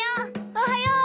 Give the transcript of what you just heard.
おはよう。